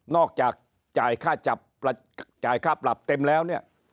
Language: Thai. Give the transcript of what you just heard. จ่ายค่าปรับเต็มแล้วเนี่ย